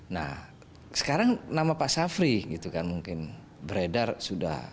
nah sekarang nama pak safri gitu kan mungkin beredar sudah